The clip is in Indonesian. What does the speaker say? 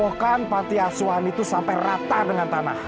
bahkan panti asuhan itu sampai rata dengan tanah